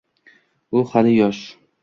«U hali yosh